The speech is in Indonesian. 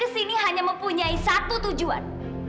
putini hanya punya satu tujuan